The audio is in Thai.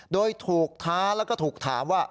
โดยถูกท้าแล้วก็ถูกถามว่า